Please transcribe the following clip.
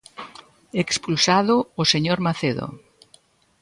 Expulsado o señor Macedo.